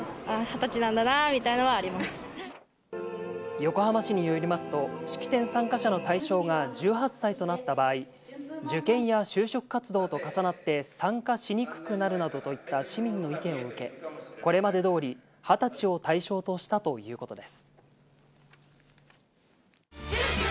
横浜市によりますと式典参加者の対象が１８歳となった場合、受験や就職活動と重なって参加しにくくなるなどといった市民の意見を受け、これまで通り二十歳を対象としたということです。